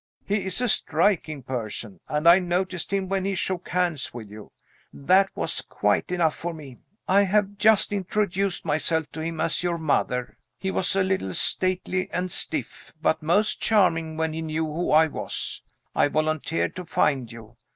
"He is a striking person and I noticed him when he shook hands with you. That was quite enough for me. I have just introduced myself to him as your mother. He was a little stately and stiff, but most charming when he knew who I was. I volunteered to find you.